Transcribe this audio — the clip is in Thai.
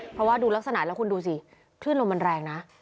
เพราะว่าดูลักษณะแล้วคุณดูสิคลื่นลมมันแรงนะ